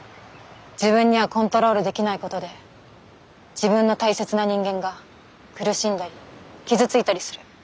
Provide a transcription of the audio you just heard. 自分にはコントロールできないことで自分の大切な人間が苦しんだり傷ついたりする。